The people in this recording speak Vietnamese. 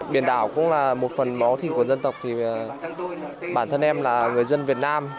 biển đảo cũng là một phần máu thịt của dân tộc thì bản thân em là người dân việt nam